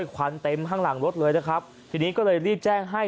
ควันเต็มข้างหลังรถเลยนะครับทีนี้ก็เลยรีบแจ้งให้